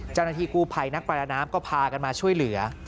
เจ้าหน้าที่กู้ภัยนักประดาน้ำก็พากันมาช่วยเหลือ